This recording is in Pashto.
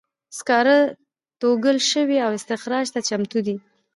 سکاره توږل شوي او استخراج ته چمتو شوي دي.